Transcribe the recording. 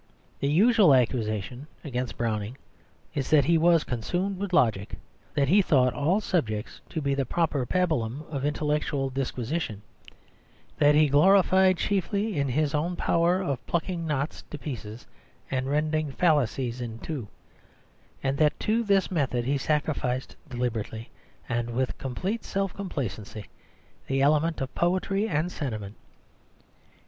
The usual accusation against Browning is that he was consumed with logic; that he thought all subjects to be the proper pabulum of intellectual disquisition; that he gloried chiefly in his own power of plucking knots to pieces and rending fallacies in two; and that to this method he sacrificed deliberately, and with complete self complacency, the element of poetry and sentiment.